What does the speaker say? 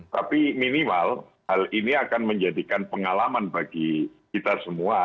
tapi minimal hal ini akan menjadikan pengalaman bagi kita semua